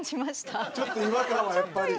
ちょっと違和感はやっぱり。